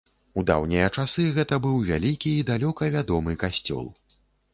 У даўнія часы гэта быў вялікі і далёка вядомы касцёл.